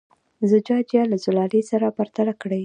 زجاجیه له زلالیې سره پرتله کړئ.